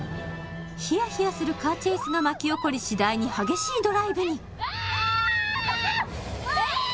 ヒヤヒヤするカーチェイスが巻き起こり次第に激しいドライブにわーっ！